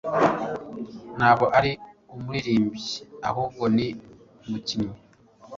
Ntabwo ari umuririmbyi ahubwo ni umukinnyi